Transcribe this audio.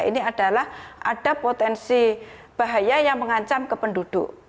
ini adalah ada potensi bahaya yang mengancam ke penduduk